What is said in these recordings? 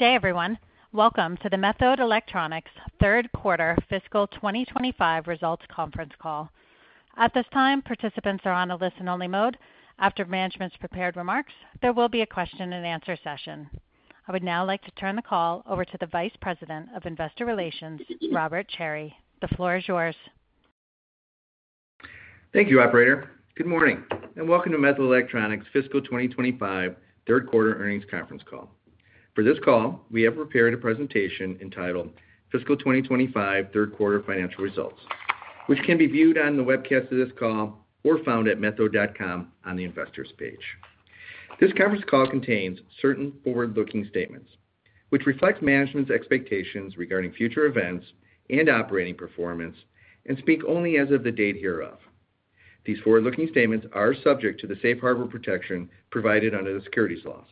Good day, everyone. Welcome to the Methode Electronics third quarter fiscal 2025 results conference call. At this time, participants are on a listen-only mode. After management's prepared remarks, there will be a question-and-answer session. I would now like to turn the call over to the Vice President of Investor Relations, Robert Cherry. The floor is yours. Thank you, Operator. Good morning and welcome to Methode Electronics fiscal 2025 third quarter earnings conference call. For this call, we have prepared a presentation entitled "Fiscal 2025 Third Quarter Financial Results," which can be viewed on the webcast of this call or found at methode.com on the investors' page. This conference call contains certain forward-looking statements, which reflect management's expectations regarding future events and operating performance and speak only as of the date hereof. These forward-looking statements are subject to the safe harbor protection provided under the securities laws.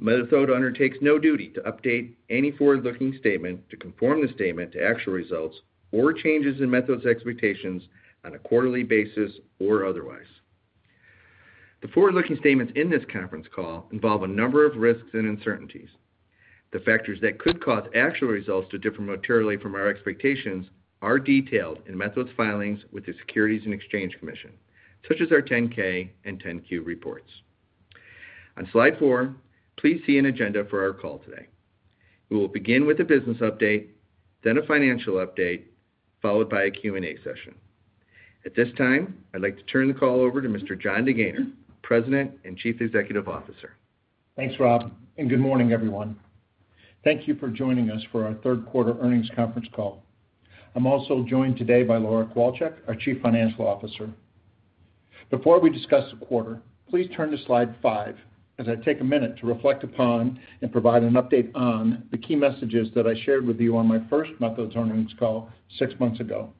Methode undertakes no duty to update any forward-looking statement to conform the statement to actual results or changes in Methode's expectations on a quarterly basis or otherwise. The forward-looking statements in this conference call involve a number of risks and uncertainties. The factors that could cause actual results to differ materially from our expectations are detailed in Methode's filings with the Securities and Exchange Commission, such as our 10-K and 10-Q reports. On slide four, please see an agenda for our call today. We will begin with a business update, then a financial update, followed by a Q&A session. At this time, I'd like to turn the call over to Mr. Jon DeGaynor, President and Chief Executive Officer. Thanks, Rob, and good morning, everyone. Thank you for joining us for our third quarter earnings conference call. I'm also joined today by Laura Kowalchik, our Chief Financial Officer. Before we discuss the quarter, please turn to slide five as I take a minute to reflect upon and provide an update on the key messages that I shared with you on my first Methode's earnings call six months ago.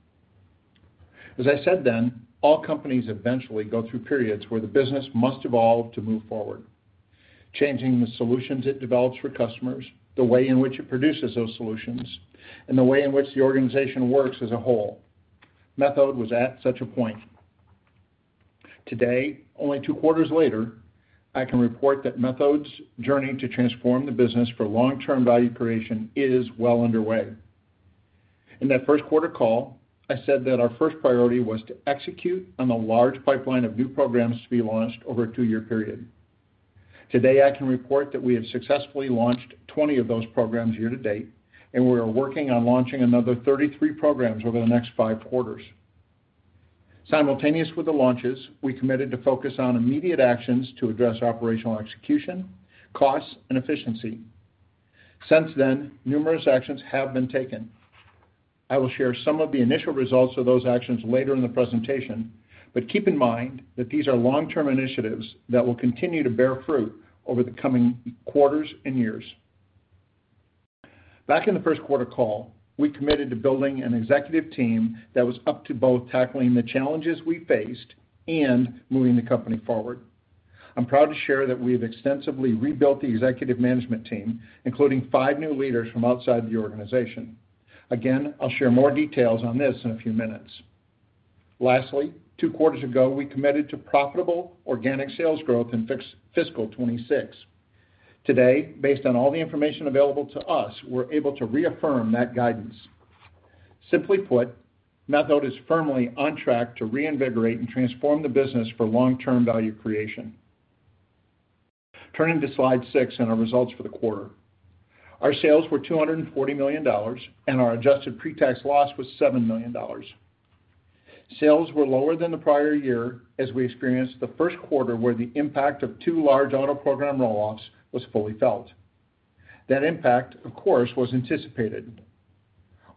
As I said then, all companies eventually go through periods where the business must evolve to move forward, changing the solutions it develops for customers, the way in which it produces those solutions, and the way in which the organization works as a whole. Methode was at such a point. Today, only two quarters later, I can report that Methode's journey to transform the business for long-term value creation is well underway. In that first quarter call, I said that our first priority was to execute on a large pipeline of new programs to be launched over a two-year period. Today, I can report that we have successfully launched 20 of those programs year to date, and we are working on launching another 33 programs over the next five quarters. Simultaneous with the launches, we committed to focus on immediate actions to address operational execution, costs, and efficiency. Since then, numerous actions have been taken. I will share some of the initial results of those actions later in the presentation, but keep in mind that these are long-term initiatives that will continue to bear fruit over the coming quarters and years. Back in the first quarter call, we committed to building an executive team that was up to both tackling the challenges we faced and moving the company forward. I'm proud to share that we have extensively rebuilt the executive management team, including five new leaders from outside the organization. Again, I'll share more details on this in a few minutes. Lastly, two quarters ago, we committed to profitable organic sales growth in fiscal 2026. Today, based on all the information available to us, we're able to reaffirm that guidance. Simply put, Methode is firmly on track to reinvigorate and transform the business for long-term value creation. Turning to slide six and our results for the quarter, our sales were $240 million, and our adjusted pre-tax loss was $7 million. Sales were lower than the prior year as we experienced the first quarter where the impact of two large auto program rolloffs was fully felt. That impact, of course, was anticipated.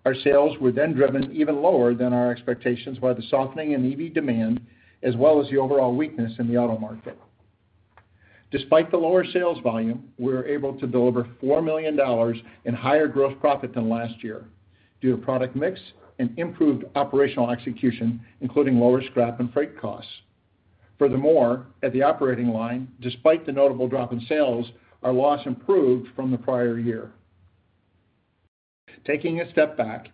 Our sales were then driven even lower than our expectations by the softening in EV demand, as well as the overall weakness in the auto market. Despite the lower sales volume, we were able to deliver $4 million in higher gross profit than last year due to product mix and improved operational execution, including lower scrap and freight costs. Furthermore, at the operating line, despite the notable drop in sales, our loss improved from the prior year. Taking a step back,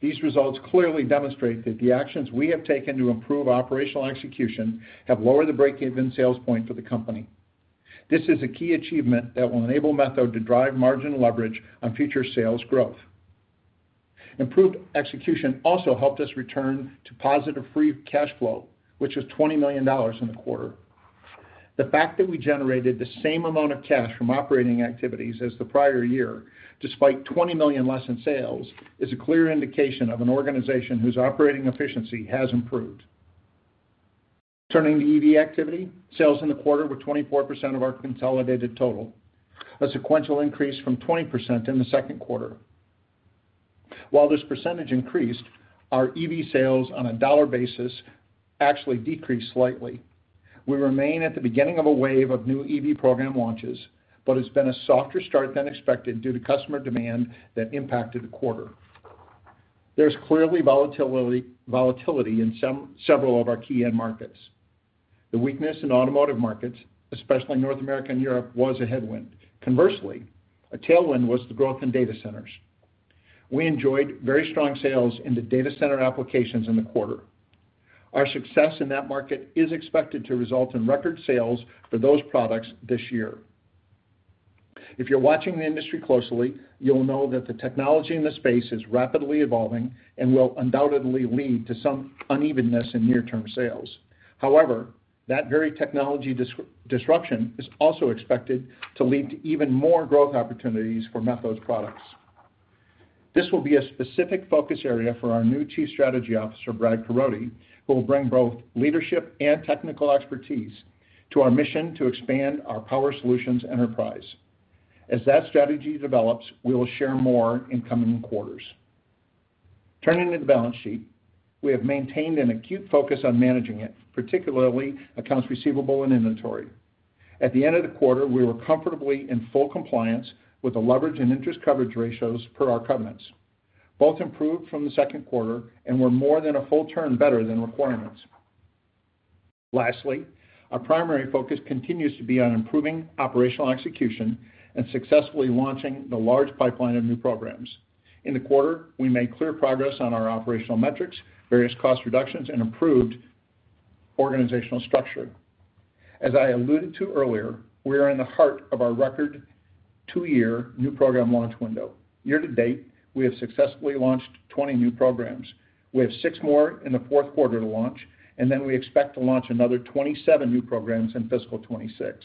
these results clearly demonstrate that the actions we have taken to improve operational execution have lowered the break-even sales point for the company. This is a key achievement that will enable Methode to drive margin leverage on future sales growth. Improved execution also helped us return to positive free cash flow, which was $20 million in the quarter. The fact that we generated the same amount of cash from operating activities as the prior year, despite $20 million less in sales, is a clear indication of an organization whose operating efficiency has improved. Turning to EV activity, sales in the quarter were 24% of our consolidated total, a sequential increase from 20% in the second quarter. While this percentage increased, our EV sales on a dollar basis actually decreased slightly. We remain at the beginning of a wave of new EV program launches, but it's been a softer start than expected due to customer demand that impacted the quarter. There's clearly volatility in several of our key end markets. The weakness in automotive markets, especially North America and Europe, was a headwind. Conversely, a tailwind was the growth in data centers. We enjoyed very strong sales into data center applications in the quarter. Our success in that market is expected to result in record sales for those products this year. If you're watching the industry closely, you'll know that the technology in the space is rapidly evolving and will undoubtedly lead to some unevenness in near-term sales. However, that very technology disruption is also expected to lead to even more growth opportunities for Methode's products. This will be a specific focus area for our new Chief Strategy Officer, Brad Carrodi, who will bring both leadership and technical expertise to our mission to expand our power solutions enterprise. As that strategy develops, we will share more in coming quarters. Turning to the balance sheet, we have maintained an acute focus on managing it, particularly accounts receivable and inventory. At the end of the quarter, we were comfortably in full compliance with the leverage and interest coverage ratios per our covenants. Both improved from the second quarter and were more than a full turn better than requirements. Lastly, our primary focus continues to be on improving operational execution and successfully launching the large pipeline of new programs. In the quarter, we made clear progress on our operational metrics, various cost reductions, and improved organizational structure. As I alluded to earlier, we are in the heart of our record two-year new program launch window. Year to date, we have successfully launched 20 new programs. We have six more in the fourth quarter to launch, and then we expect to launch another 27 new programs in fiscal 2026.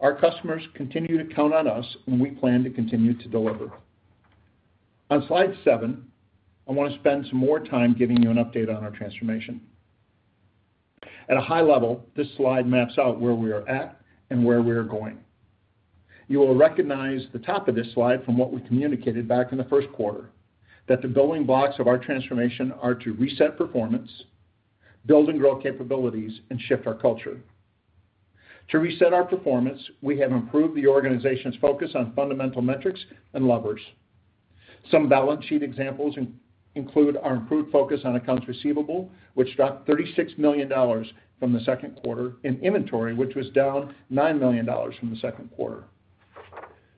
Our customers continue to count on us, and we plan to continue to deliver. On slide seven, I want to spend some more time giving you an update on our transformation. At a high level, this slide maps out where we are at and where we are going. You will recognize the top of this slide from what we communicated back in the first quarter, that the building blocks of our transformation are to reset performance, build and grow capabilities, and shift our culture. To reset our performance, we have improved the organization's focus on fundamental metrics and levers. Some balance sheet examples include our improved focus on accounts receivable, which dropped $36 million from the second quarter, and inventory, which was down $9 million from the second quarter.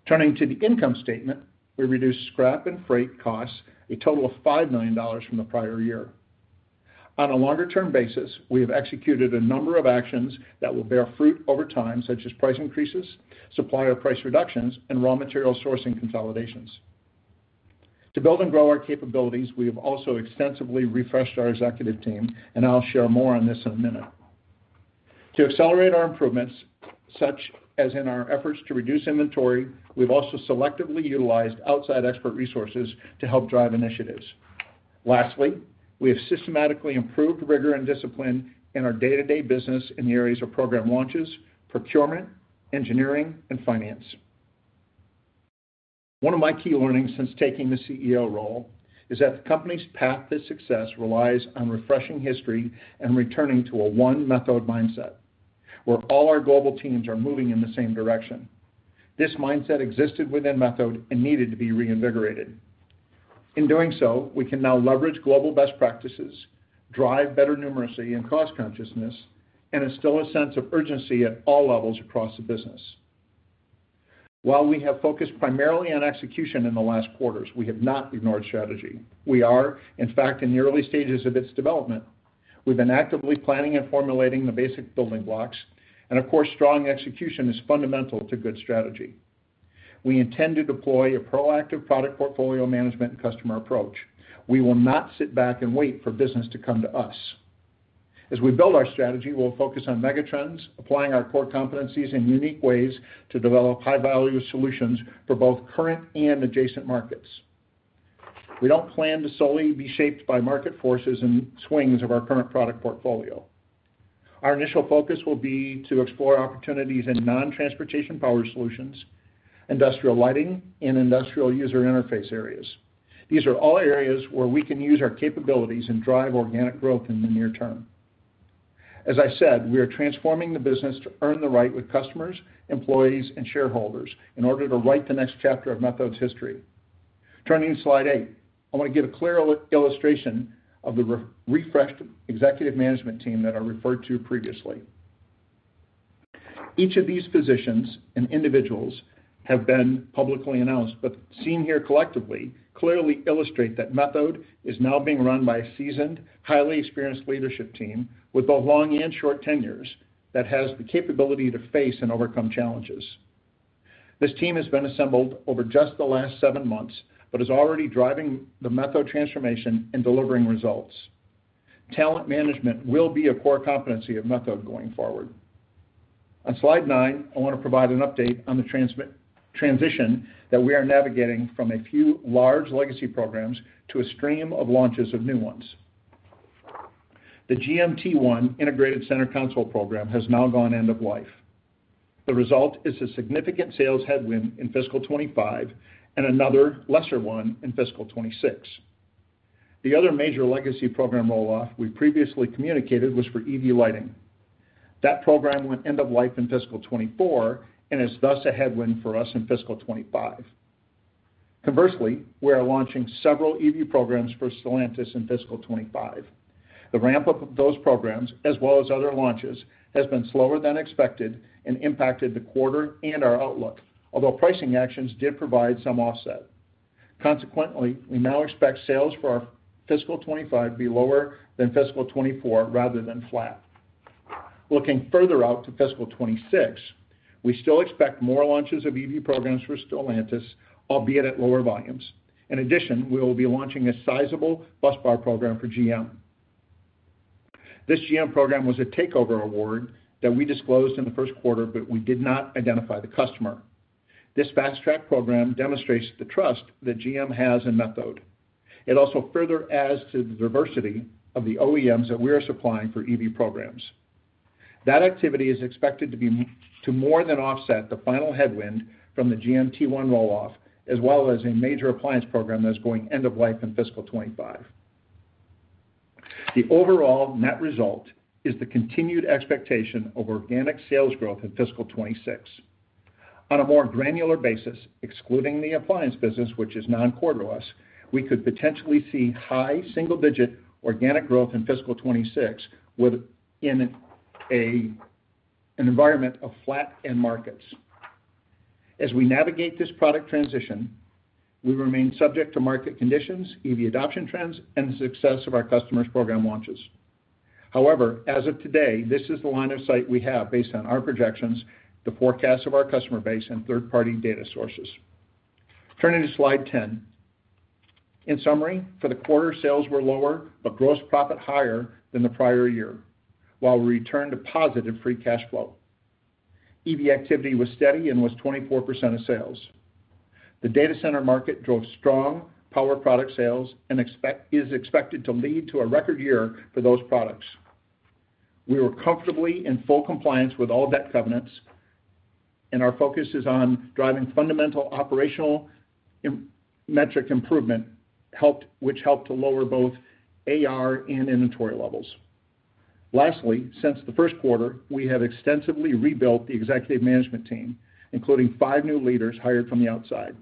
Turning to the income statement, we reduced scrap and freight costs a total of $5 million from the prior year. On a longer-term basis, we have executed a number of actions that will bear fruit over time, such as price increases, supplier price reductions, and raw material sourcing consolidations. To build and grow our capabilities, we have also extensively refreshed our executive team, and I'll share more on this in a minute. To accelerate our improvements, such as in our efforts to reduce inventory, we've also selectively utilized outside expert resources to help drive initiatives. Lastly, we have systematically improved rigor and discipline in our day-to-day business in the areas of program launches, procurement, engineering, and finance. One of my key learnings since taking the CEO role is that the company's path to success relies on refreshing history and returning to a one-Method mindset, where all our global teams are moving in the same direction. This mindset existed within Methode and needed to be reinvigorated. In doing so, we can now leverage global best practices, drive better numeracy and cost consciousness, and instill a sense of urgency at all levels across the business. While we have focused primarily on execution in the last quarters, we have not ignored strategy. We are, in fact, in the early stages of its development. We've been actively planning and formulating the basic building blocks, and of course, strong execution is fundamental to good strategy. We intend to deploy a proactive product portfolio management and customer approach. We will not sit back and wait for business to come to us. As we build our strategy, we'll focus on megatrends, applying our core competencies in unique ways to develop high-value solutions for both current and adjacent markets. We don't plan to solely be shaped by market forces and swings of our current product portfolio. Our initial focus will be to explore opportunities in non-transportation power solutions, industrial lighting, and industrial user interface areas. These are all areas where we can use our capabilities and drive organic growth in the near term. As I said, we are transforming the business to earn the right with customers, employees, and shareholders in order to write the next chapter of Methode's history. Turning to slide eight, I want to give a clear illustration of the refreshed executive management team that I referred to previously. Each of these positions and individuals have been publicly announced, but seen here collectively clearly illustrate that Methode is now being run by a seasoned, highly experienced leadership team with both long and short tenures that has the capability to face and overcome challenges. This team has been assembled over just the last seven months but is already driving the Methode transformation and delivering results. Talent management will be a core competency of Methode going forward. On slide nine, I want to provide an update on the transition that we are navigating from a few large legacy programs to a stream of launches of new ones. The GMT1 Integrated Center Console program has now gone end of life. The result is a significant sales headwind in fiscal 2025 and another lesser one in fiscal 2026. The other major legacy program rolloff we previously communicated was for EV lighting. That program went end of life in fiscal 2024 and is thus a headwind for us in fiscal 2025. Conversely, we are launching several EV programs for Stellantis in fiscal 2025. The ramp-up of those programs, as well as other launches, has been slower than expected and impacted the quarter and our outlook, although pricing actions did provide some offset. Consequently, we now expect sales for our fiscal 2025 to be lower than fiscal 2024 rather than flat. Looking further out to fiscal 2026, we still expect more launches of EV programs for Stellantis, albeit at lower volumes. In addition, we will be launching a sizable bus bar program for GM. This GM program was a takeover award that we disclosed in the first quarter, but we did not identify the customer. This fast-track program demonstrates the trust that GM has in Methode. It also further adds to the diversity of the OEMs that we are supplying for EV programs. That activity is expected to more than offset the final headwind from the GMT1 rolloff, as well as a major appliance program that is going end of life in fiscal 2025. The overall net result is the continued expectation of organic sales growth in fiscal 2026. On a more granular basis, excluding the appliance business, which is non-core to us, we could potentially see high single-digit organic growth in fiscal 2026 in an environment of flat end markets. As we navigate this product transition, we remain subject to market conditions, EV adoption trends, and the success of our customers' program launches. However, as of today, this is the line of sight we have based on our projections, the forecasts of our customer base, and third-party data sources. Turning to slide 10. In summary, for the quarter, sales were lower but gross profit higher than the prior year, while we returned to positive free cash flow. EV activity was steady and was 24% of sales. The data center market drove strong power product sales and is expected to lead to a record year for those products. We were comfortably in full compliance with all debt covenants, and our focus is on driving fundamental operational metric improvement, which helped to lower both AR and inventory levels. Lastly, since the first quarter, we have extensively rebuilt the executive management team, including five new leaders hired from the outside.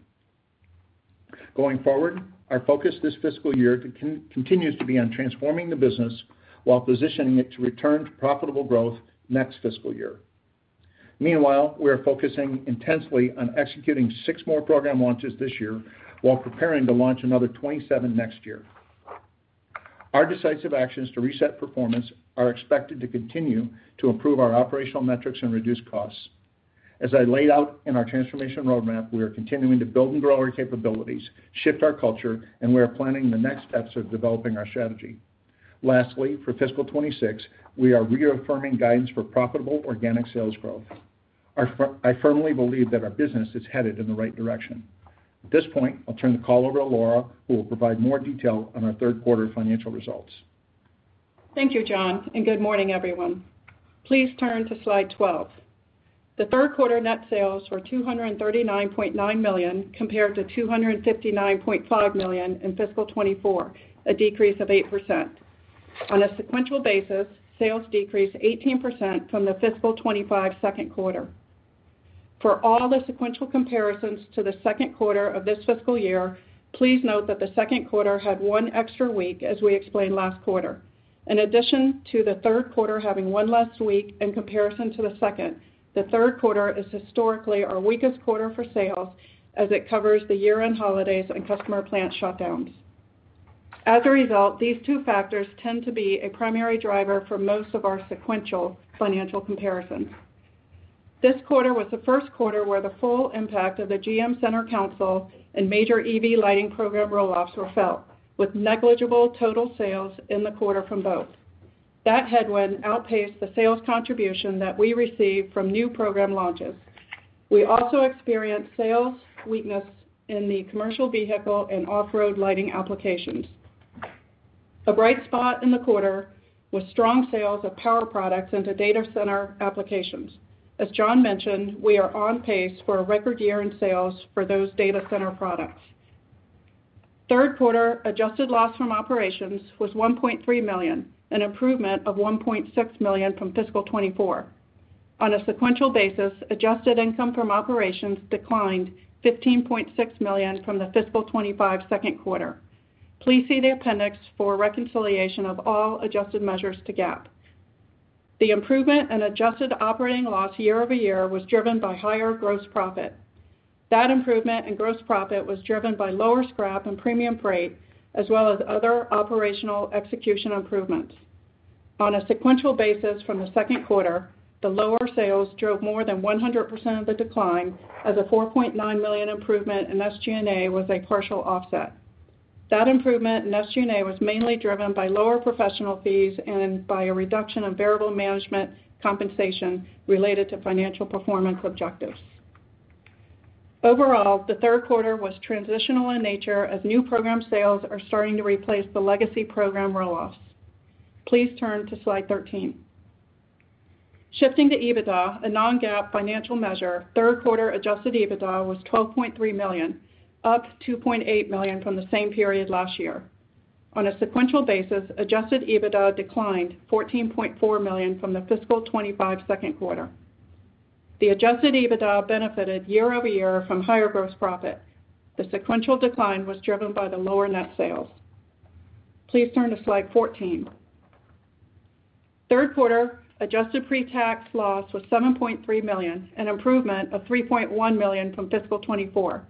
Going forward, our focus this fiscal year continues to be on transforming the business while positioning it to return to profitable growth next fiscal year. Meanwhile, we are focusing intensely on executing six more program launches this year while preparing to launch another 27 next year. Our decisive actions to reset performance are expected to continue to improve our operational metrics and reduce costs. As I laid out in our transformation roadmap, we are continuing to build and grow our capabilities, shift our culture, and we are planning the next steps of developing our strategy. Lastly, for fiscal 2026, we are reaffirming guidance for profitable organic sales growth. I firmly believe that our business is headed in the right direction. At this point, I'll turn the call over to Laura, who will provide more detail on our third quarter financial results. Thank you, Jon, and good morning, everyone. Please turn to slide 12. The third quarter net sales were $239.9 million compared to $259.5 million in fiscal 2024, a decrease of 8%. On a sequential basis, sales decreased 18% from the fiscal 2025 second quarter. For all the sequential comparisons to the second quarter of this fiscal year, please note that the second quarter had one extra week, as we explained last quarter. In addition to the third quarter having one less week in comparison to the second, the third quarter is historically our weakest quarter for sales, as it covers the year-end holidays and customer plant shutdowns. As a result, these two factors tend to be a primary driver for most of our sequential financial comparisons. This quarter was the first quarter where the full impact of the GM Center Console and major EV lighting program rollouts were felt, with negligible total sales in the quarter from both. That headwind outpaced the sales contribution that we received from new program launches. We also experienced sales weakness in the commercial vehicle and off-road lighting applications. A bright spot in the quarter was strong sales of power products into data center applications. As Jon mentioned, we are on pace for a record year in sales for those data center products. Third quarter adjusted loss from operations was $1.3 million, an improvement of $1.6 million from fiscal 2024. On a sequential basis, adjusted income from operations declined $15.6 million from the fiscal 2025 second quarter. Please see the appendix for reconciliation of all adjusted measures to GAAP. The improvement in adjusted operating loss year over year was driven by higher gross profit. That improvement in gross profit was driven by lower scrap and premium freight, as well as other operational execution improvements. On a sequential basis from the second quarter, the lower sales drove more than 100% of the decline, as a $4.9 million improvement in SG&A was a partial offset. That improvement in SG&A was mainly driven by lower professional fees and by a reduction in variable management compensation related to financial performance objectives. Overall, the third quarter was transitional in nature, as new program sales are starting to replace the legacy program rollouts. Please turn to slide 13. Shifting to EBITDA, a non-GAAP financial measure, third quarter adjusted EBITDA was $12.3 million, up $2.8 million from the same period last year. On a sequential basis, adjusted EBITDA declined $14.4 million from the fiscal 2025 second quarter. The adjusted EBITDA benefited year over year from higher gross profit. The sequential decline was driven by the lower net sales. Please turn to slide 14. Third quarter adjusted pre-tax loss was $7.3 million, an improvement of $3.1 million from fiscal 2024.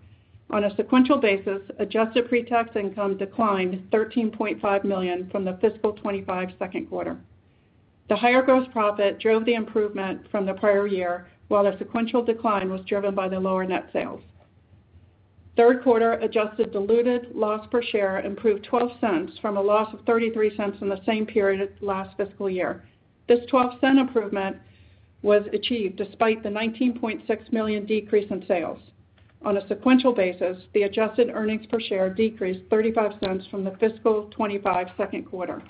On a sequential basis, adjusted pre-tax income declined $13.5 million from the fiscal 2025 second quarter. The higher gross profit drove the improvement from the prior year, while the sequential decline was driven by the lower net sales. Third quarter adjusted diluted loss per share improved $0.12 from a loss of $0.33 in the same period last fiscal year. This $0.12 improvement was achieved despite the $19.6 million decrease in sales. On a sequential basis, the adjusted earnings per share decreased $0.35 from the fiscal 2025 second quarter.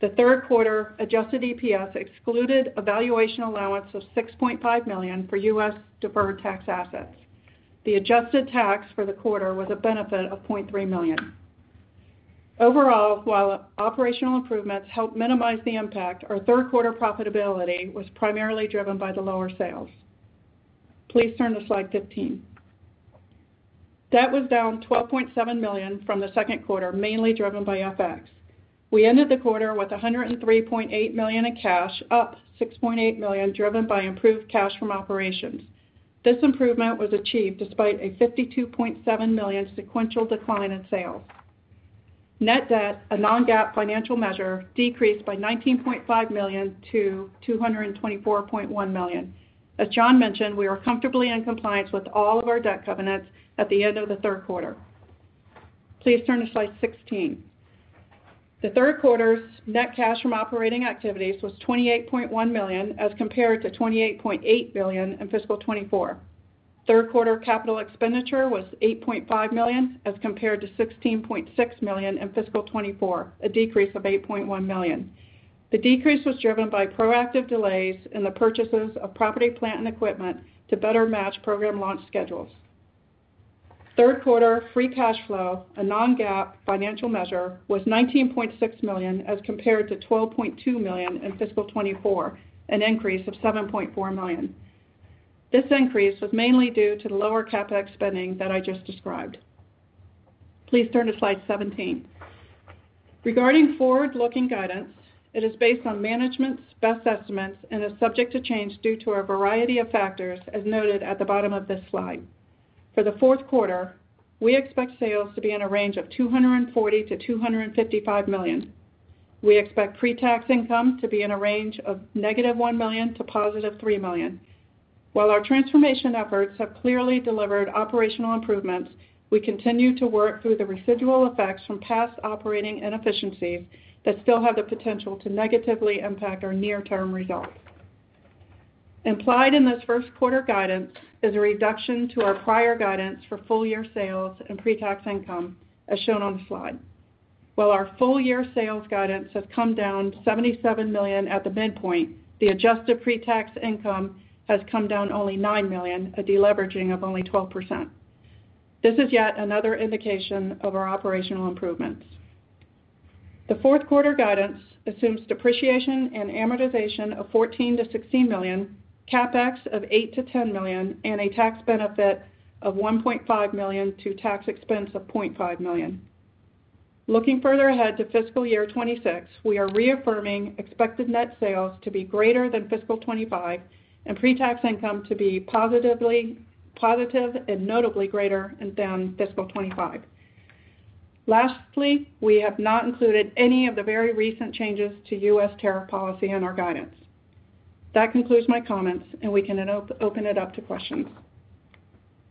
The third quarter adjusted EPS excluded a valuation allowance of $6.5 million for U.S. deferred tax assets. The adjusted tax for the quarter was a benefit of $0.3 million. Overall, while operational improvements helped minimize the impact, our third quarter profitability was primarily driven by the lower sales. Please turn to slide 15. Debt was down $12.7 million from the second quarter, mainly driven by FX. We ended the quarter with $103.8 million in cash, up $6.8 million driven by improved cash from operations. This improvement was achieved despite a $52.7 million sequential decline in sales. Net debt, a non-GAAP financial measure, decreased by $19.5 million to $224.1 million. As Jon mentioned, we are comfortably in compliance with all of our debt covenants at the end of the third quarter. Please turn to slide 16. The third quarter's net cash from operating activities was $28.1 million as compared to $28.8 million in fiscal 2024. Third quarter capital expenditure was $8.5 million as compared to $16.6 million in fiscal 2024, a decrease of $8.1 million. The decrease was driven by proactive delays in the purchases of property, plant, and equipment to better match program launch schedules. Third quarter free cash flow, a non-GAAP financial measure, was $19.6 million as compared to $12.2 million in fiscal 2024, an increase of $7.4 million. This increase was mainly due to the lower CapEx spending that I just described. Please turn to slide 17. Regarding forward-looking guidance, it is based on management's best estimates and is subject to change due to a variety of factors, as noted at the bottom of this slide. For the fourth quarter, we expect sales to be in a range of $240 million-$255 million. We expect pre-tax income to be in a range of -$1 million to +$3 million. While our transformation efforts have clearly delivered operational improvements, we continue to work through the residual effects from past operating inefficiencies that still have the potential to negatively impact our near-term results. Implied in this first quarter guidance is a reduction to our prior guidance for full-year sales and pre-tax income, as shown on the slide. While our full-year sales guidance has come down $77 million at the midpoint, the adjusted pre-tax income has come down only $9 million, a deleveraging of only 12%. This is yet another indication of our operational improvements. The fourth quarter guidance assumes depreciation and amortization of $14 million-$16 million, CapEx of $8 million-$10 million, and a tax benefit of $1.5 million to tax expense of $0.5 million. Looking further ahead to fiscal year 2026, we are reaffirming expected net sales to be greater than fiscal 2025 and pre-tax income to be positive and notably greater than fiscal 2025. Lastly, we have not included any of the very recent changes to U.S. tariff policy in our guidance. That concludes my comments, and we can open it up to questions.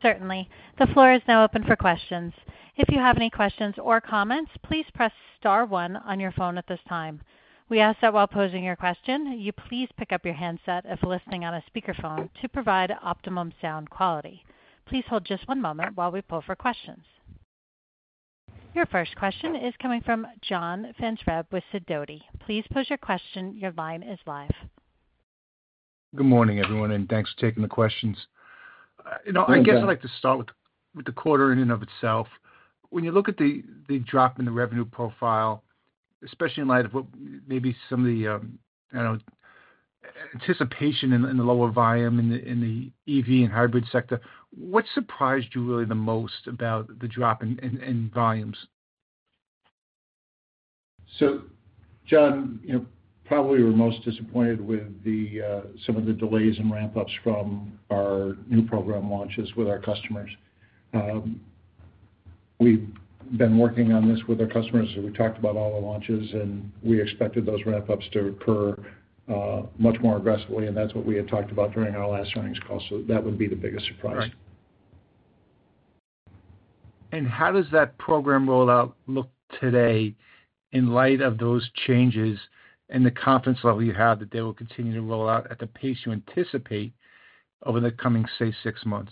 Certainly. The floor is now open for questions. If you have any questions or comments, please press star one on your phone at this time. We ask that while posing your question, you please pick up your handset if listening on a speakerphone to provide optimum sound quality. Please hold just one moment while we pull for questions. Your first question is coming from John Franzreb with Sidoti. Please pose your question. Your line is live. Good morning, everyone, and thanks for taking the questions. I guess I'd like to start with the quarter in and of itself. When you look at the drop in the revenue profile, especially in light of maybe some of the anticipation in the lower volume in the EV and hybrid sector, what surprised you really the most about the drop in volumes? Jon, probably we're most disappointed with some of the delays and ramp-ups from our new program launches with our customers. We've been working on this with our customers. We talked about all the launches, and we expected those ramp-ups to occur much more aggressively, and that's what we had talked about during our last earnings call. That would be the biggest surprise. Right. And how does that program rollout look today in light of those changes and the confidence level you have that they will continue to roll out at the pace you anticipate over the coming, say, six months?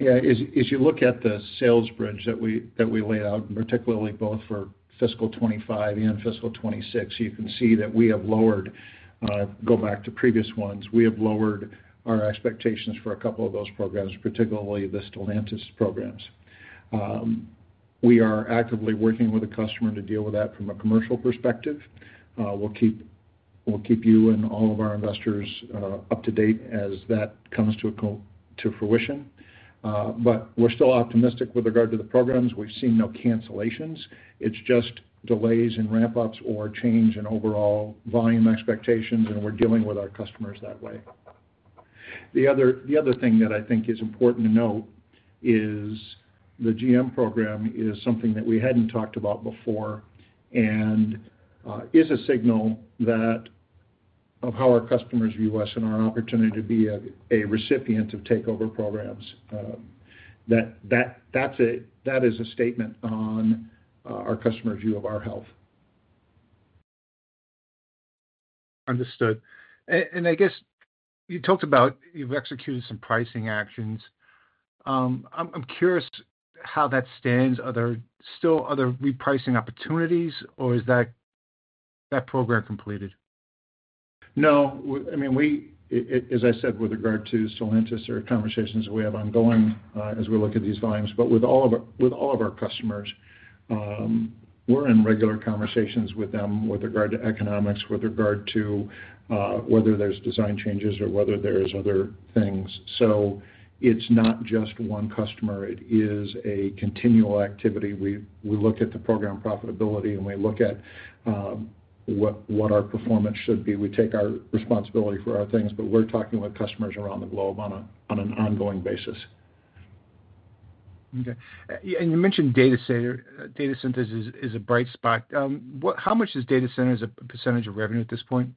Yeah. As you look at the sales bridge that we laid out, and particularly both for fiscal 2025 and fiscal 2026, you can see that we have lowered—go back to previous ones—we have lowered our expectations for a couple of those programs, particularly the Stellantis programs. We are actively working with the customer to deal with that from a commercial perspective. We'll keep you and all of our investors up to date as that comes to fruition. We are still optimistic with regard to the programs. We've seen no cancellations. It's just delays in ramp-ups or change in overall volume expectations, and we're dealing with our customers that way. The other thing that I think is important to note is the GM program is something that we hadn't talked about before and is a signal of how our customers view us and our opportunity to be a recipient of takeover programs. That is a statement on our customers' view of our health. Understood. I guess you talked about you've executed some pricing actions. I'm curious how that stands. Are there still other repricing opportunities, or is that program completed? No. I mean, as I said, with regard to Stellantis, there are conversations that we have ongoing as we look at these volumes. With all of our customers, we're in regular conversations with them with regard to economics, with regard to whether there's design changes or whether there's other things. It is not just one customer. It is a continual activity. We look at the program profitability, and we look at what our performance should be. We take our responsibility for our things, but we're talking with customers around the globe on an ongoing basis. Okay. You mentioned data centers is a bright spot. How much is data centers a percentage of revenue at this point?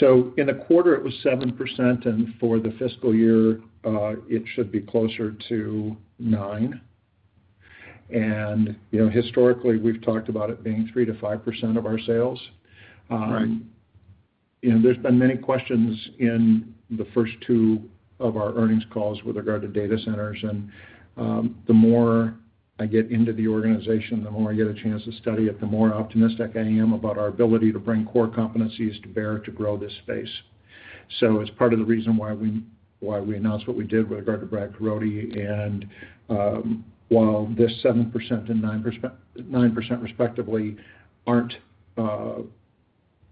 In the quarter, it was 7%, and for the fiscal year, it should be closer to 9%. Historically, we've talked about it being 3%-5% of our sales. There have been many questions in the first two of our earnings calls with regard to data centers. The more I get into the organization, the more I get a chance to study it, the more optimistic I am about our ability to bring core competencies to bear to grow this space. It is part of the reason why we announced what we did with regard to Brad Carrodi. While this 7% and 9%, respectively, are not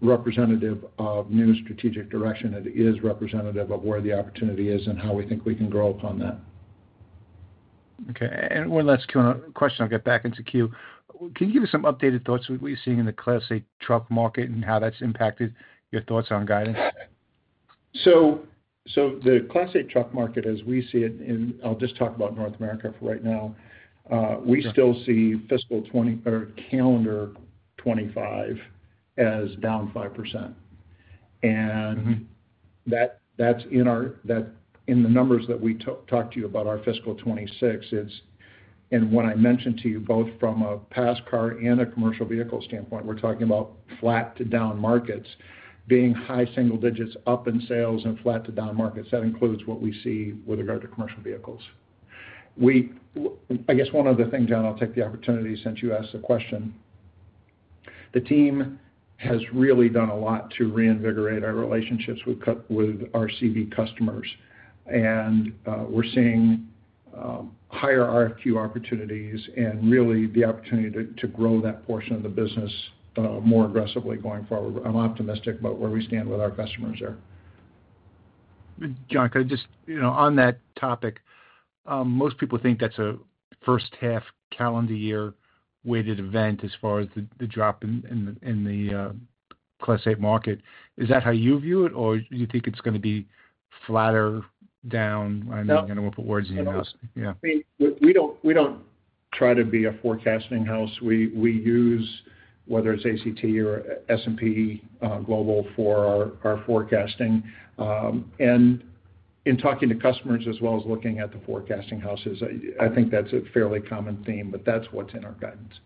representative of new strategic direction, it is representative of where the opportunity is and how we think we can grow upon that. Okay. One last question. I'll get back into Q. Can you give us some updated thoughts of what you're seeing in the Class 8 truck market and how that's impacted your thoughts on guidance? The Class 8 truck market, as we see it, and I'll just talk about North America for right now, we still see fiscal calendar 2025 as down 5%. That's in the numbers that we talked to you about our fiscal 2026. What I mentioned to you, both from a pass car and a commercial vehicle standpoint, we're talking about flat to down markets being high single digits up in sales and flat to down markets. That includes what we see with regard to commercial vehicles. I guess one other thing, Jon, I'll take the opportunity since you asked the question. The team has really done a lot to reinvigorate our relationships with our CV customers. We're seeing higher RFQ opportunities and really the opportunity to grow that portion of the business more aggressively going forward. I'm optimistic about where we stand with our customers there. Jon, on that topic, most people think that's a first-half calendar year weighted event as far as the drop in the Class 8 market. Is that how you view it, or do you think it's going to be flat or down? I don't know what words you use. Yeah. We don't try to be a forecasting house. We use whether it's ACT or S&P Global for our forecasting. In talking to customers as well as looking at the forecasting houses, I think that's a fairly common theme, but that's what's in our guidance.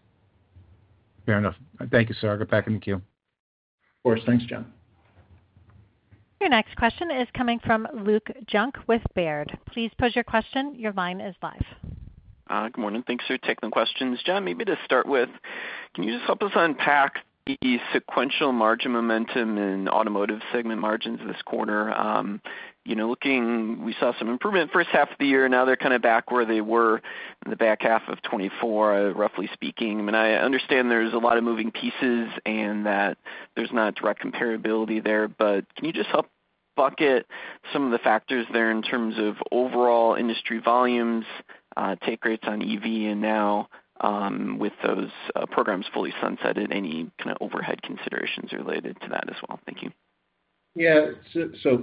Fair enough. Thank you, sir. I'll get back into Q. Of course. Thanks, Jon. Your next question is coming from Luke Junk with Baird. Please pose your question. Your line is live. Good morning. Thanks for taking the questions. Jon, maybe to start with, can you just help us unpack the sequential margin momentum in automotive segment margins this quarter? We saw some improvement first half of the year. Now they're kind of back where they were in the back half of 2024, roughly speaking. I mean, I understand there's a lot of moving pieces and that there's not direct comparability there, but can you just help bucket some of the factors there in terms of overall industry volumes, take rates on EV, and now with those programs fully sunsetted, any kind of overhead considerations related to that as well? Thank you. Yeah.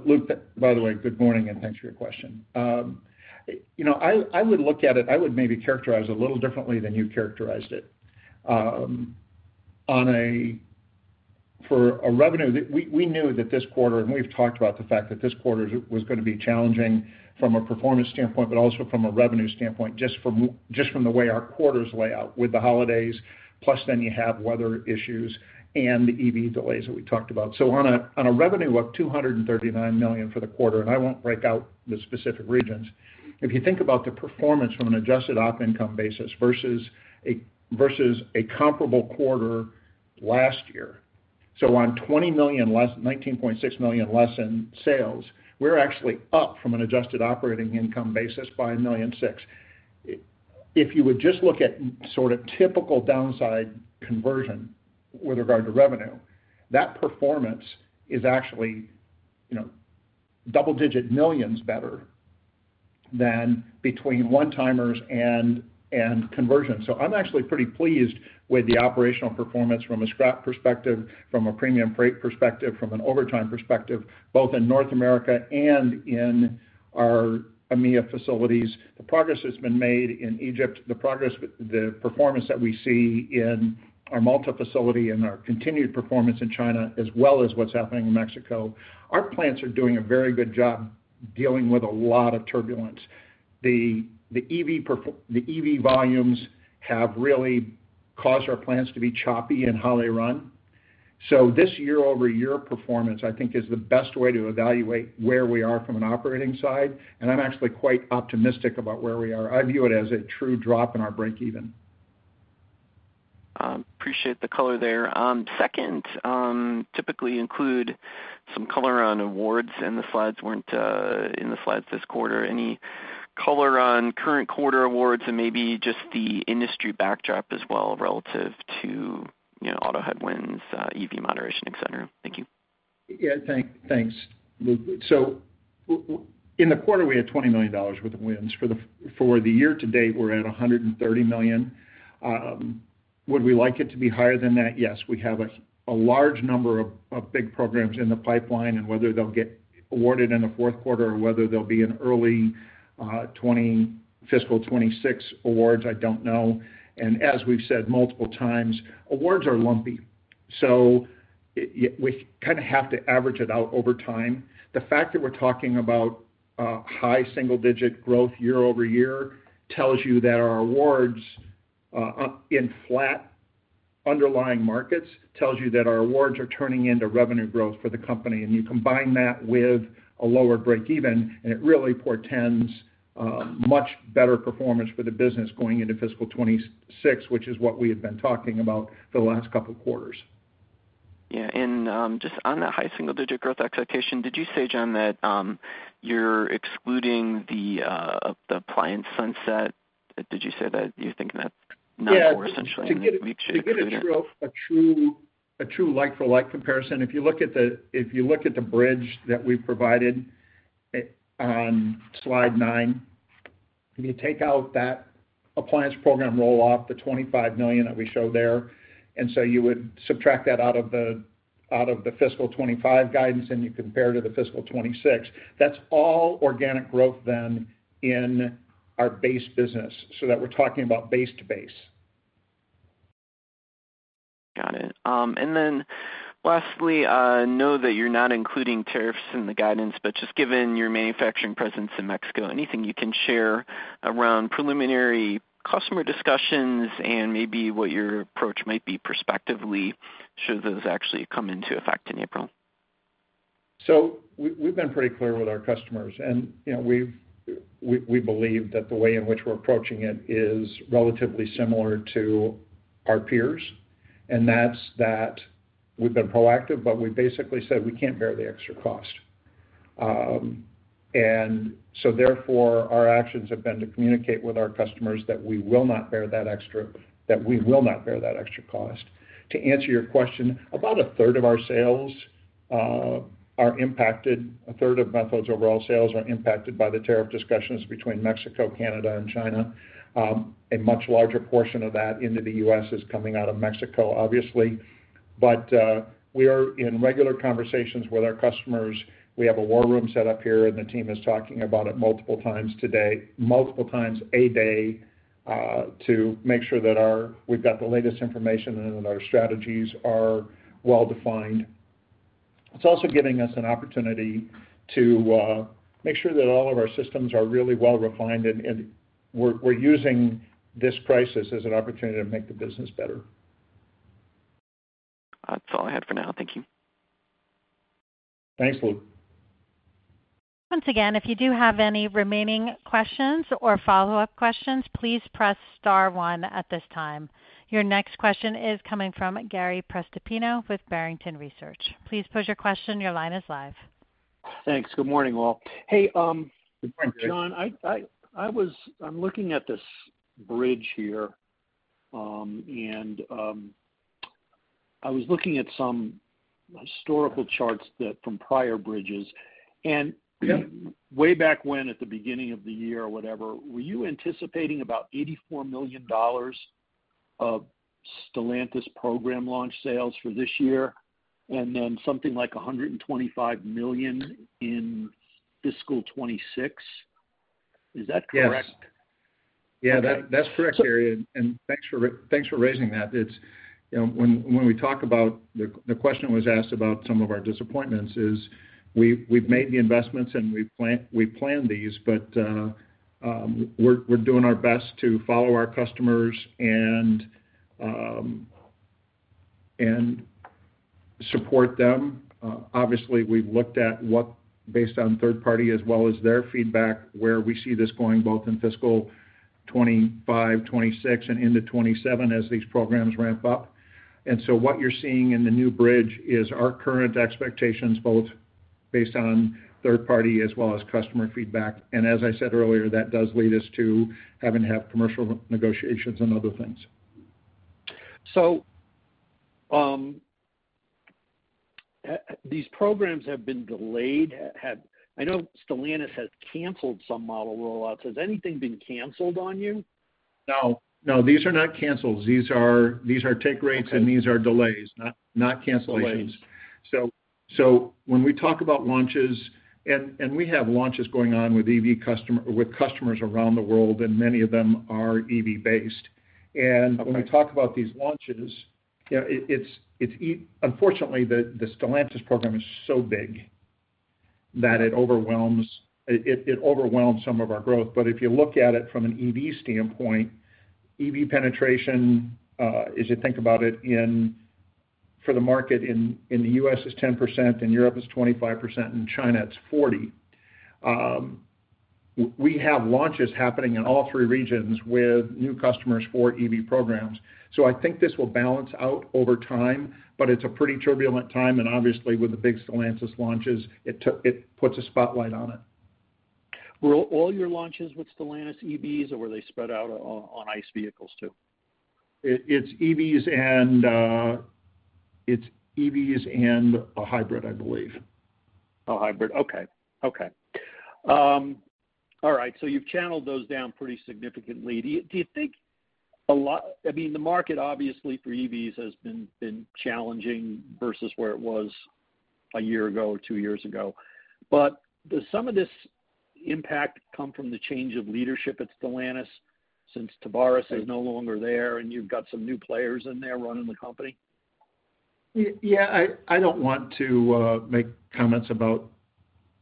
Luke, by the way, good morning and thanks for your question. I would look at it, I would maybe characterize a little differently than you characterized it. For a revenue, we knew that this quarter, and we've talked about the fact that this quarter was going to be challenging from a performance standpoint, but also from a revenue standpoint, just from the way our quarters lay out with the holidays, plus then you have weather issues and the EV delays that we talked about. On a revenue of $239 million for the quarter, and I won't break out the specific regions, if you think about the performance from an adjusted op income basis versus a comparable quarter last year, on $19.6 million less in sales, we're actually up from an adjusted operating income basis by $1.6 million. If you would just look at sort of typical downside conversion with regard to revenue, that performance is actually double-digit millions better than between one-timers and conversion. I'm actually pretty pleased with the operational performance from a scrap perspective, from a premium freight perspective, from an overtime perspective, both in North America and in our EMEA facilities. The progress that's been made in Egypt, the performance that we see in our Malta facility and our continued performance in China, as well as what's happening in Mexico, our plants are doing a very good job dealing with a lot of turbulence. The EV volumes have really caused our plants to be choppy in how they run. This year-over-year performance, I think, is the best way to evaluate where we are from an operating side. I'm actually quite optimistic about where we are. I view it as a true drop in our break-even. Appreciate the color there. Second, typically include some color on awards in the slides this quarter. Any color on current quarter awards and maybe just the industry backdrop as well relative to auto headwinds, EV moderation, etc.? Thank you. Yeah. Thanks, Luke. In the quarter, we had $20 million with wins. For the year to date, we're at $130 million. Would we like it to be higher than that? Yes. We have a large number of big programs in the pipeline, and whether they'll get awarded in the fourth quarter or whether they'll be in early fiscal 2026 awards, I don't know. As we've said multiple times, awards are lumpy. We kind of have to average it out over time. The fact that we're talking about high single-digit growth year over year tells you that our awards in flat underlying markets tells you that our awards are turning into revenue growth for the company. You combine that with a lower break-even, and it really portends much better performance for the business going into fiscal 2026, which is what we have been talking about for the last couple of quarters. Yeah. Just on that high single-digit growth expectation, did you say, Jon, that you're excluding the appliance sunset? Did you say that you're thinking that number essentially? Yeah. To get a true like-for-like comparison, if you look at the bridge that we provided on slide nine, if you take out that appliance program rolloff, the $25 million that we showed there, and so you would subtract that out of the fiscal 2025 guidance, and you compare to the fiscal 2026, that's all organic growth then in our base business so that we're talking about base to base. Got it. Lastly, I know that you're not including tariffs in the guidance, but just given your manufacturing presence in Mexico, anything you can share around preliminary customer discussions and maybe what your approach might be prospectively should those actually come into effect in April? We have been pretty clear with our customers. We believe that the way in which we're approaching it is relatively similar to our peers. That is, we have been proactive, but we basically said we can't bear the extra cost. Therefore, our actions have been to communicate with our customers that we will not bear that extra cost. To answer your question, about a third of our sales are impacted. A third of Methode's overall sales are impacted by the tariff discussions between Mexico, Canada, and China. A much larger portion of that into the U.S. is coming out of Mexico, obviously. We are in regular conversations with our customers. We have a war room set up here, and the team is talking about it multiple times a day to make sure that we've got the latest information and that our strategies are well-defined. It is also giving us an opportunity to make sure that all of our systems are really well-refined, and we're using this crisis as an opportunity to make the business better. That's all I had for now. Thank you. Thanks, Luke. Once again, if you do have any remaining questions or follow-up questions, please press star one at this time. Your next question is coming from Gary Prestipino with Barrington Research. Please pose your question. Your line is live. Thanks. Good morning, Will. Hey. Good morning, Jon. I'm looking at this bridge here, and I was looking at some historical charts from prior bridges. Way back when, at the beginning of the year or whatever, were you anticipating about $84 million of Stellantis program launch sales for this year and then something like $125 million in fiscal 2026? Is that correct? Yes. Yeah, that's correct, Gary. Thanks for raising that. When we talk about the question was asked about some of our disappointments, is we've made the investments, and we planned these, but we're doing our best to follow our customers and support them. Obviously, we've looked at what, based on third-party as well as their feedback, where we see this going both in fiscal 2025, 2026, and into 2027 as these programs ramp up. What you're seeing in the new bridge is our current expectations, both based on third-party as well as customer feedback. As I said earlier, that does lead us to having to have commercial negotiations and other things. These programs have been delayed. I know Stellantis has canceled some model rollouts. Has anything been canceled on you? No. No, these are not cancels. These are take rates, and these are delays, not cancellations. When we talk about launches, and we have launches going on with customers around the world, and many of them are EV-based. When we talk about these launches, unfortunately, the Stellantis program is so big that it overwhelms some of our growth. If you look at it from an EV standpoint, EV penetration, as you think about it, for the market in the U.S. is 10%, in Europe is 25%, in China, it's 40%. We have launches happening in all three regions with new customers for EV programs. I think this will balance out over time, but it's a pretty turbulent time. Obviously, with the big Stellantis launches, it puts a spotlight on it. Were all your launches with Stellantis EVs, or were they spread out on ICE vehicles too? It's EVs and a hybrid, I believe. A hybrid. Okay. Okay. All right. You've channeled those down pretty significantly. Do you think a lot, I mean, the market, obviously, for EVs has been challenging versus where it was a year ago or two years ago. Does some of this impact come from the change of leadership at Stellantis since Tavares is no longer there, and you've got some new players in there running the company? Yeah. I don't want to make comments about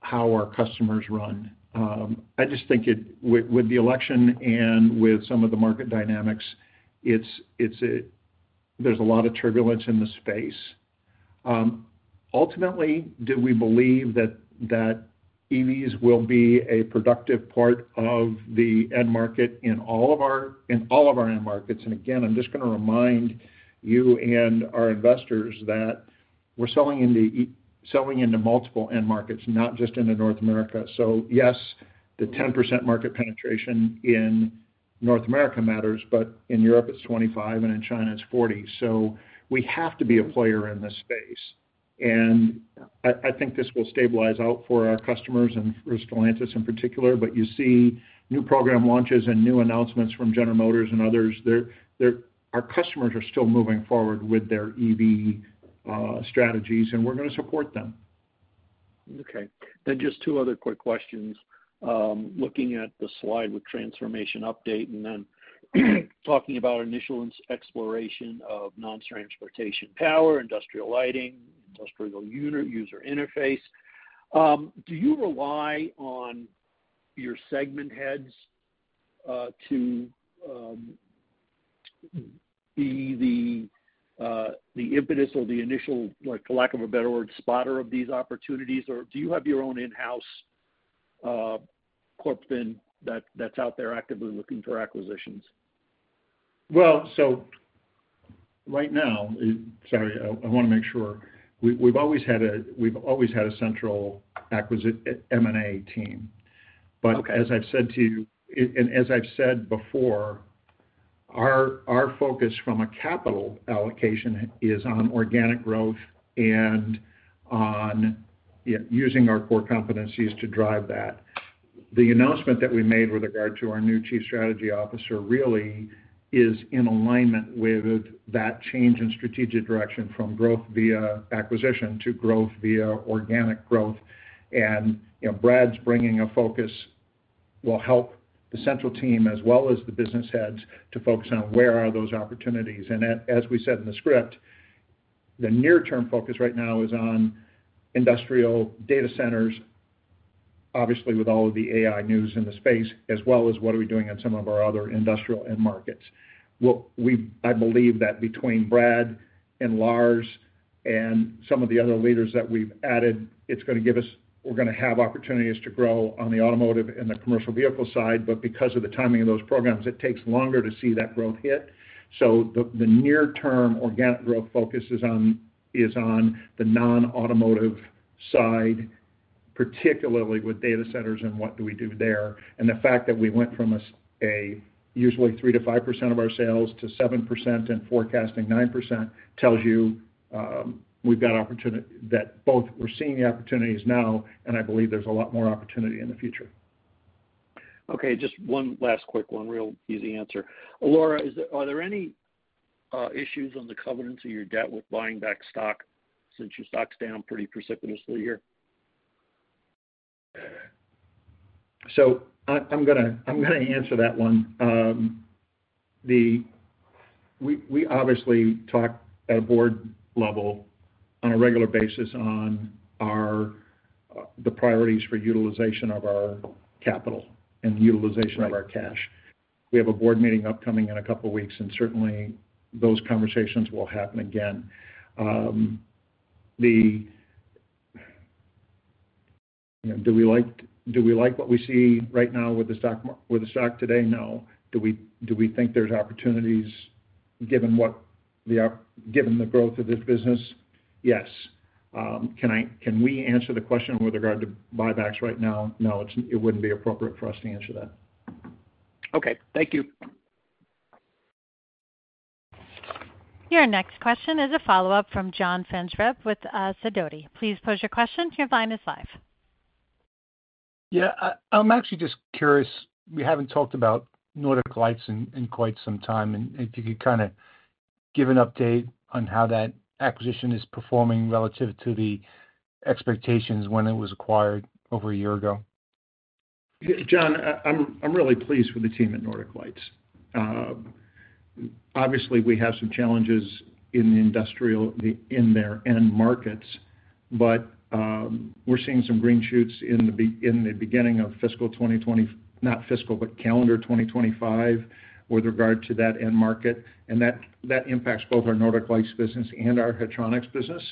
how our customers run. I just think with the election and with some of the market dynamics, there's a lot of turbulence in the space. Ultimately, do we believe that EVs will be a productive part of the end market in all of our end markets? Again, I'm just going to remind you and our investors that we're selling into multiple end markets, not just into North America. Yes, the 10% market penetration in North America matters, but in Europe, it's 25%, and in China, it's 40%. We have to be a player in this space. I think this will stabilize out for our customers and for Stellantis in particular. You see new program launches and new announcements from General Motors and others. Our customers are still moving forward with their EV strategies, and we're going to support them. Okay. Just two other quick questions. Looking at the slide with transformation update and then talking about initial exploration of non-transportation power, industrial lighting, industrial user interface. Do you rely on your segment heads to be the impetus or the initial, for lack of a better word, spotter of these opportunities, or do you have your own in-house corp then that's out there actively looking for acquisitions? Right now, sorry, I want to make sure. We've always had a central M&A team. As I've said to you, and as I've said before, our focus from a capital allocation is on organic growth and on using our core competencies to drive that. The announcement that we made with regard to our new Chief Strategy Officer really is in alignment with that change in strategic direction from growth via acquisition to growth via organic growth. Brad's bringing a focus will help the central team as well as the business heads to focus on where are those opportunities. As we said in the script, the near-term focus right now is on industrial data centers, obviously with all of the AI news in the space, as well as what are we doing in some of our other industrial end markets. I believe that between Brad and Lars and some of the other leaders that we've added, it's going to give us we're going to have opportunities to grow on the automotive and the commercial vehicle side. Because of the timing of those programs, it takes longer to see that growth hit. The near-term organic growth focus is on the non-automotive side, particularly with data centers and what do we do there. The fact that we went from usually 3%-5% of our sales to 7% and forecasting 9% tells you we've got opportunity that both we're seeing the opportunities now, and I believe there's a lot more opportunity in the future. Okay. Just one last quick one, real easy answer. Laura, are there any issues on the covenants of your debt with buying back stock since your stock's down pretty precipitously here? I'm going to answer that one. We obviously talk at a board level on a regular basis on the priorities for utilization of our capital and utilization of our cash. We have a board meeting upcoming in a couple of weeks, and certainly, those conversations will happen again. Do we like what we see right now with the stock today? No. Do we think there's opportunities given the growth of this business? Yes. Can we answer the question with regard to buybacks right now? No, it wouldn't be appropriate for us to answer that. Thank you. Your next question is a follow-up from John Franzreb with Sidoti. Please pose your question. Your line is live. Yeah. I'm actually just curious. We haven't talked about Nordic Lights in quite some time. If you could kind of give an update on how that acquisition is performing relative to the expectations when it was acquired over a year ago. Jon, I'm really pleased with the team at Nordic Lights. Obviously, we have some challenges in their end markets, but we're seeing some green shoots in the beginning of fiscal 2020, not fiscal, but calendar 2025 with regard to that end market. That impacts both our Nordic Lights business and our hydronics business.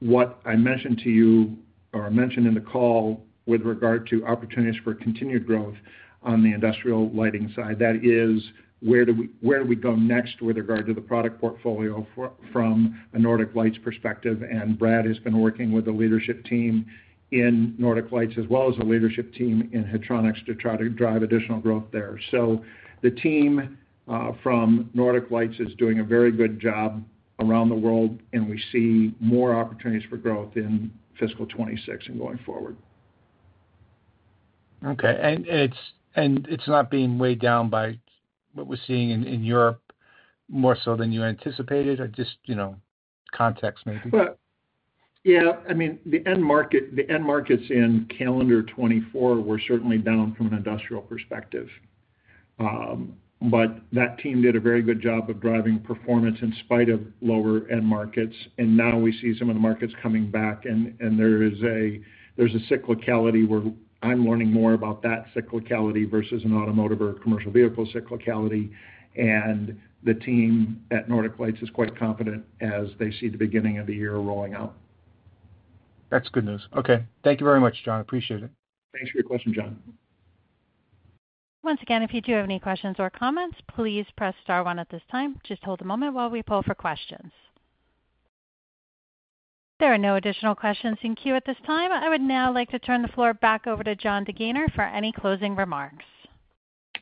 What I mentioned to you or mentioned in the call with regard to opportunities for continued growth on the industrial lighting side, that is where do we go next with regard to the product portfolio from a Nordic Lights perspective. Brad has been working with the leadership team in Nordic Lights as well as the leadership team in hydronics to try to drive additional growth there. The team from Nordic Lights is doing a very good job around the world, and we see more opportunities for growth in fiscal 2026 and going forward. Okay. It is not being weighed down by what we are seeing in Europe more so than you anticipated or just context maybe? Yeah. I mean, the end markets in calendar 2024 were certainly down from an industrial perspective. That team did a very good job of driving performance in spite of lower end markets. Now we see some of the markets coming back, and there is a cyclicality where I am learning more about that cyclicality versus an automotive or a commercial vehicle cyclicality. The team at Nordic Lights is quite confident as they see the beginning of the year rolling out. That is good news. Okay. Thank you very much, Jon. Appreciate it. Thanks for your question, Jon. Once again, if you do have any questions or comments, please press star one at this time. Just hold a moment while we poll for questions. There are no additional questions in queue at this time. I would now like to turn the floor back over to Jon DeGaynor for any closing remarks. I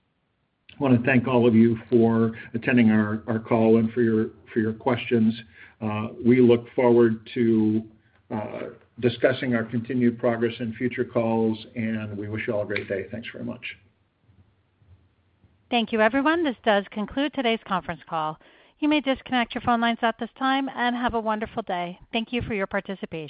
want to thank all of you for attending our call and for your questions. We look forward to discussing our continued progress in future calls, and we wish you all a great day. Thanks very much. Thank you, everyone. This does conclude today's conference call. You may disconnect your phone lines at this time and have a wonderful day. Thank you for your participation.